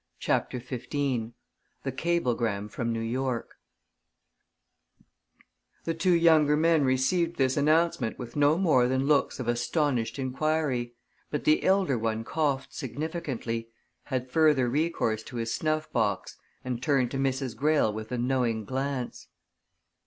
CHAPTER XV THE CABLEGRAM FROM NEW YORK The two younger men received this announcement with no more than looks of astonished inquiry, but the elder one coughed significantly, had further recourse to his snuff box and turned to Mrs. Greyle with a knowing glance.